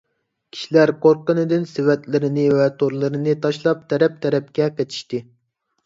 كىشىلەر قورققىنىدىن سېۋەتلىرىنى ۋە تورلىرىنى تاشلاپ تەرەپ - تەرەپكە قېچىشتى.